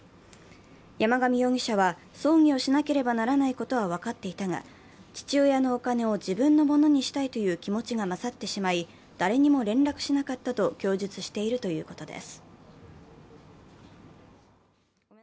山上容疑者は、葬儀をしなければならないことは分かっていたが、父親のお金を自分のものにしたいという気持ちが勝ってしまい、誰にも連絡しなかったと供述しているということです。